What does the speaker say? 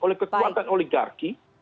oleh kekuatan oligarki